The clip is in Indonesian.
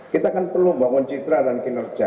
kita kan perlu membangun citra dan kinerja